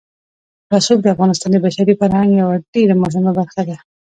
رسوب د افغانستان د بشري فرهنګ یوه ډېره مهمه برخه ده.